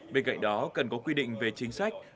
bên cạnh đó cần có quy định về chính sách